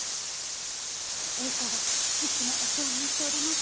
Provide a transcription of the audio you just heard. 詠子がいつもお世話になっております。